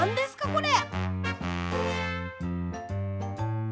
これ。